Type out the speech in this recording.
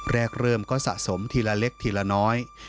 เริ่มก็สะสมทีละเล็กทีละน้อย